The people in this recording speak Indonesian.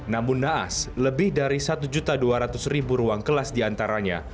namun naas lebih dari satu dua ratus ruang kelas diantaranya